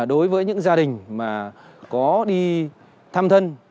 đối với những gia đình có đi thăm thân